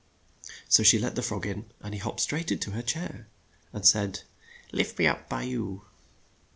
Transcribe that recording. So she let the frog in, and he hopped straight to her chair, and said, "Lift me up by you."